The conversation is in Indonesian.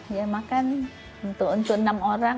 dia makan untuk enam orang atau tujuh orang